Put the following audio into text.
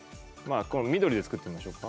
この緑で作ってみましょうか。